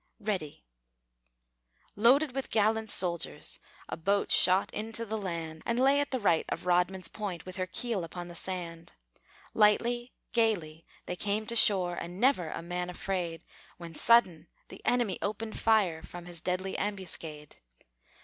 READY Loaded with gallant soldiers, A boat shot in to the land, And lay at the right of Rodman's Point, With her keel upon the sand. Lightly, gayly, they came to shore, And never a man afraid; When sudden the enemy opened fire, From his deadly ambuscade.